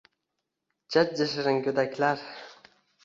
Jajji shirin go’daklar…